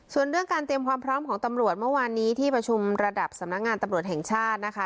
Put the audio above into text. ส่วนเรื่องการเตรียมความพร้อมของตำรวจเมื่อวานนี้ที่ประชุมระดับสำนักงานตำรวจแห่งชาตินะคะ